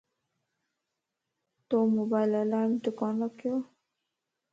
تو موبائل الارمت ڪون رکيو؟